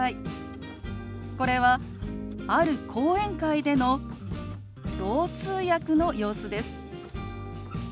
これはある講演会でのろう通訳の様子です。